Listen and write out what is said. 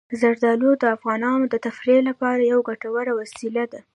زردالو د افغانانو د تفریح لپاره یوه ګټوره وسیله ده.